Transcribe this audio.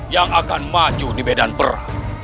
yang akan maju di medan perang